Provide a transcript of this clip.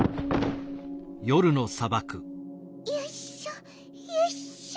よいしょよいしょ。